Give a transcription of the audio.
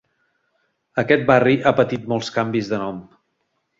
Aquest barri ha patit molts canvis de nom.